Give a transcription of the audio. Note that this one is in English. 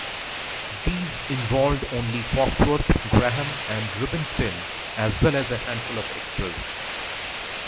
These involved only Foxworth, Graham and Rubinstein as well as a handful of extras.